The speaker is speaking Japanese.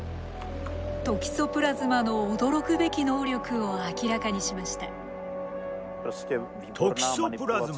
トキソプラズマの驚くべき能力を明らかにしました。